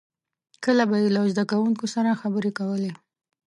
• کله به یې له زدهکوونکو سره خبرې کولې.